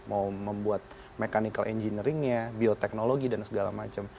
mau membuat mechanical engineeringnya bioteknologi dan segala macam